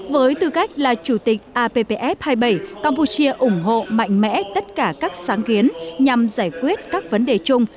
với tư cách là chủ tịch appf hai mươi bảy campuchia ủng hộ mạnh mẽ tất cả các sáng kiến nhằm giải quyết các vấn đề chung